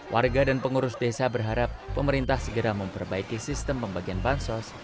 warga dan pengurus desa berharap pemerintah segera memperbaiki sistem pembagian bansos